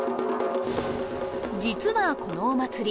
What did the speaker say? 実はこのお祭り